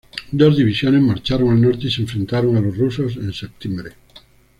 Dos divisiones marcharon al norte y se enfrentaron a los rusos en septiembre.